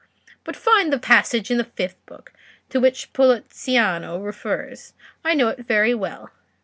But find the passage in the fifth book, to which Poliziano refers—I know it very well."